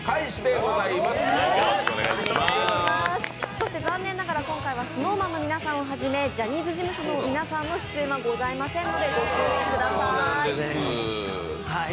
そして残念ながら今回はＳｎｏｗＭａｎの皆さんをはじめジャニーズ事務所の皆さんの出演はございませんのでご注意ください。